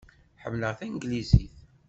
Ḥemmleɣ tanglizit.